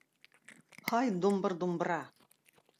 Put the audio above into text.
Һай думбыр-думбра.